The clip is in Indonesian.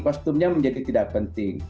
kostumnya menjadi tidak penting